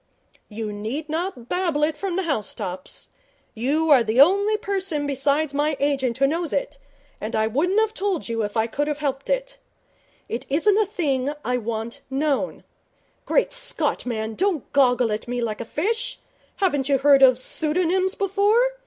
'You need not babble it from the house tops. You are the only person besides my agent who knows it, and I wouldn't have told you if I could have helped it. It isn't a thing I want known. Great Scott, man, don't goggle at me like a fish! Haven't you heard of pseudonyms before?'